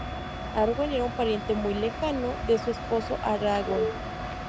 Arwen era un pariente muy lejano de su esposo Aragorn.